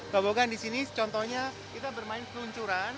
tobogan di sini contohnya kita bermain penuncuran